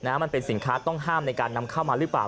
มันเป็นสินค้าต้องห้ามในการนำเข้ามาหรือเปล่า